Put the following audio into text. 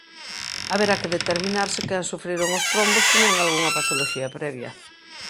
Haberá que determinar se quen sufriron os trombos tiñan algunha patoloxía previa.